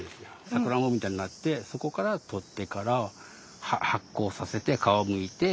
サクランボみたいになってそこから取ってから発酵させて皮をむいて。